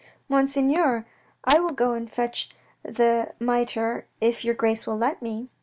" Monseigneur, I will go and fetch the mitre if your grace will let me."